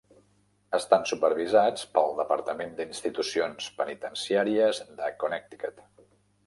Estan supervisats pel Departament d'Institucions Penitenciàries de Connecticut.